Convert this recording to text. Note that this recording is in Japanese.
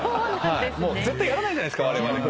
絶対やらないじゃないですか。